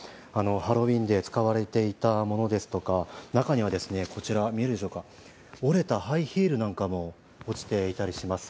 ハロウィーンで使われいたものですとか中にはこちら、折れたハイヒールなんかも落ちていたりします。